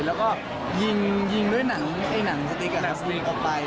แล้วก็ยิงด้วยหนังสติกออกไป